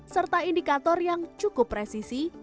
serta indikator yang cukup presisi